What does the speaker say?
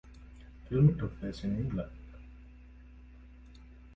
Filming took place in England.